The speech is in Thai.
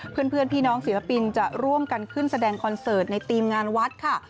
เพื่อนพี่น้องศิลปินจะร่วมกันขึ้นแสดงคอนเสิร์ตในทีมงานวัดค่ะ